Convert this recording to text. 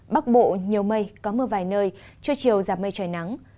bắc bộ nhiều mây có mưa vài nơi trưa chiều giảm mây trời nắng